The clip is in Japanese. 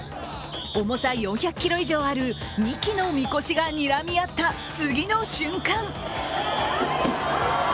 重さ４００ｋｇ以上ある２基のみこしがにらみ合った次の瞬間